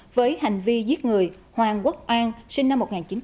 với hành vi giết người hoàng quốc oan sinh năm một nghìn chín trăm chín mươi chín